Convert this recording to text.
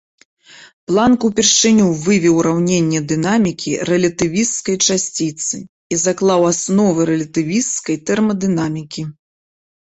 Планк упершыню вывеў ураўненні дынамікі рэлятывісцкай часціцы і заклаў асновы рэлятывісцкай тэрмадынамікі.